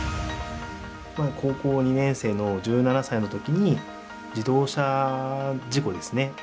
高校２年生の１７歳の時に自動車事故ですね。